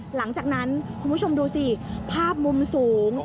หลังจากนั้นคุณผู้ชมดูสิภาพมุมสูง